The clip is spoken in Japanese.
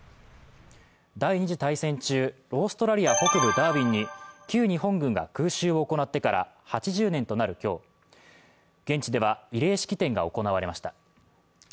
第二次大戦中、オーストラリア北部ダーウィンに旧日本軍が空襲を行ってから８０年となる今日、現地では慰霊式典が行われました。